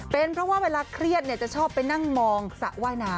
เป็นเพราะว่าเวลาเครียดจะชอบไปนั่งมองสระว่ายน้ำ